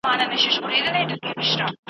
د ښادۍ به راته مخ سي د غمونو به مو شا سي